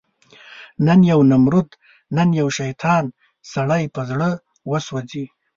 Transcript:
نن یو نمرود، نن یو شیطان، سړی په زړه وسوځي